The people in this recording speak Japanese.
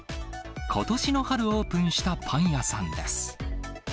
ことしの春オープンしたパン屋さんです。